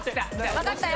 分かったよ。